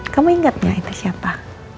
kamu inget gak itu siapa